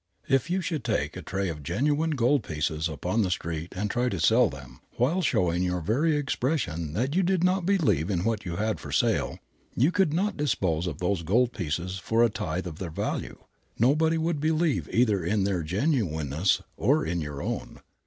If you should take a tray of genuine gold pieces upon the street and try to sell them, while showing by your very expression that you did not believe in what you had for sale, you could not dispose of those gold pieces for a tithe of their value. Nobody would believe either in their genuineness or in your own.